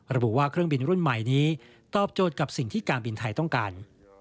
ระบุว่าเครื่องบินรุ่นใหม่นี้ตอบโจทย์กับสิ่งที่การบินไทยต้องการ